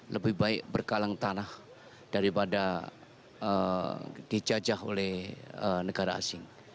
lebih baik berkalang tanah daripada dijajah oleh negara asing